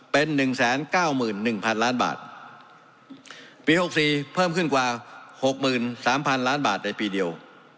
เป็นหนึ่งแสนเก้าหมื่นหนึ่งพันล้านบาทปี๖๔เพิ่มขึ้นกว่าหกหมื่นสามพันล้านบาทในปีเดียว